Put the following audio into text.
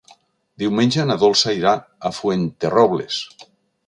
Diumenge na Dolça irà a Fuenterrobles.